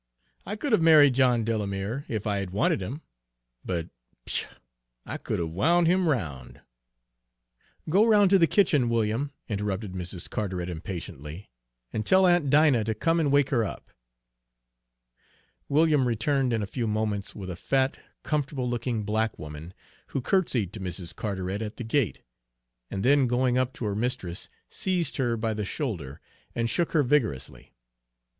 I could have married John Delamere if I had wanted him. But pshaw! I could have wound him round" "Go round to the kitchen, William," interrupted Mrs. Carteret impatiently, "and tell Aunt Dinah to come and wake her up." William returned in a few moments with a fat, comfortable looking black woman, who curtsied to Mrs. Carteret at the gate, and then going up to her mistress seized her by the shoulder and shook her vigorously.